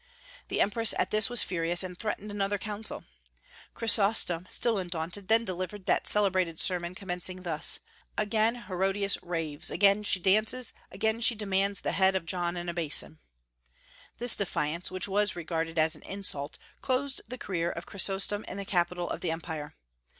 The empress at this was furious, and threatened another council. Chrysostom, still undaunted, then delivered that celebrated sermon, commencing thus: "Again Herodias raves; again she dances; again she demands the head of John in a basin." This defiance, which was regarded as an insult, closed the career of Chrysostom in the capital of the Empire.